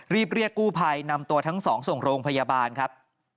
รีบเรียกกู้ภัยนำตัวทั้งสองส่งโรงพยาบาลครับ